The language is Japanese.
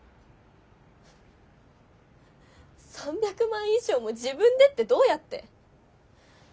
３００万以上も自分でってどうやって？